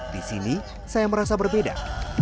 di sini saya merasa berbeda